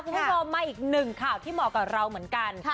คุณผู้ชมมาอีกหนึ่งข่าวที่เหมาะกับเราเหมือนกัน